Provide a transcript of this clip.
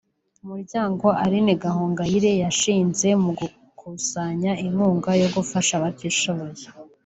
Umuryango Aline Gahongayire yashinze mu gukusanya inkunga yo gufasha abatishoboye